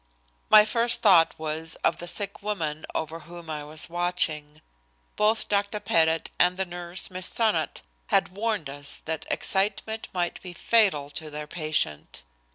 My first thought was of the sick woman over whom I was watching. Both Dr. Pettit and the nurse, Miss Sonnot, had warned us that excitement might be fatal to their patient.